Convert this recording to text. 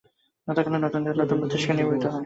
যথাকালে নূতন দেহ ও নূতন মস্তিষ্ক নির্মিত হয়।